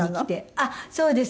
あっそうです。